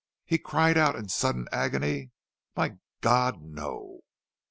He cried out in sudden agony. "My God! No!"